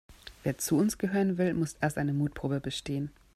Wer zu uns gehören will, muss erst eine Mutprobe bestehen.